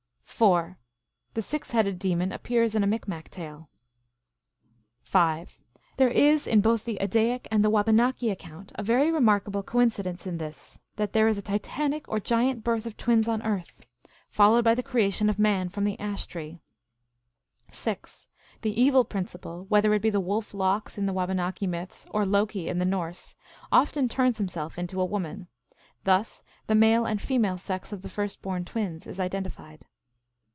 (4.) The six headed demon appears in a Micmac tale. (5.) There is in both the Eddaic and the Wabanaki account a very remarkable coincidence in this : that there is a Titanic or giant birth of twins on earth, followed by 28 THE ALGONQUIN LEGENDS. the creation of man from the ash tree. (6.) The Evil principle, whether it be the Wolf Lox in the Waba naki myths, or Loki in the Norse, often turns himself into a woman. Thus the male and female sex of the first born twins is identified.